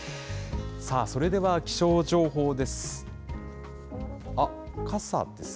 さあ、それでは気象情報です。